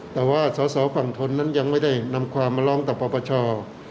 แต่ว่าสอสอฝั่งทนนั้นยังไม่ได้นำความมาร้องต่อปปช